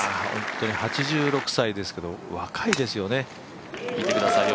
本当に８６歳ですけど若いですよね。